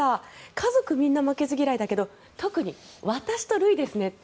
家族みんな負けず嫌いだけど特に私とルイですねと。